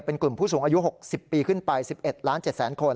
เป็นกลุ่มผู้สูงอายุ๖๐ปีขึ้นไป๑๑ล้าน๗แสนคน